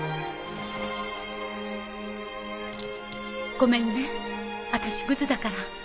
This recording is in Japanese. ごめんね私グズだから。